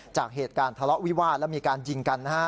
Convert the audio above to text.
จากเหตุการณ์ทะเลาะวิวาสและมีการยิงกันนะฮะ